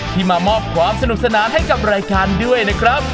มามอบความสนุกสนานให้กับรายการด้วยนะครับ